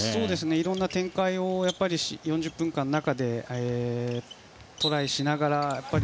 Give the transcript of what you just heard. いろんな展開を４０分間中でトライしながら。